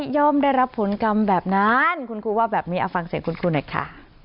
ได้รับผลกรรมแบบนั้นคุณครูว่าแบบนี้เอาฟังเสียงคุณครูหน่อยค่ะ